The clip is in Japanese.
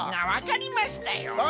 わかりましたよ。